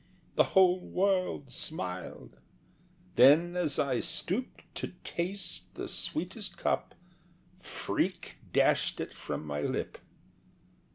The whole world smiled; then, as I stooped to taste The sweetest cup, freak dashed it from my lip.